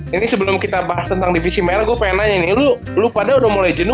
ini sebelum kita bahas tentang divisi merah gue pengen nanya nih lu pada udah mulai jenuh